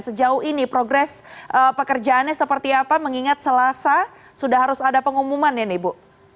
sejauh ini progres pekerjaannya seperti apa mengingat selasa sudah harus ada pengumuman ya nih bu